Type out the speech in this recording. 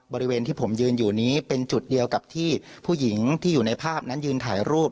บริเวณที่ผมยืนอยู่นี้เป็นจุดเดียวกับที่ผู้หญิงที่อยู่ในภาพนั้นยืนถ่ายรูป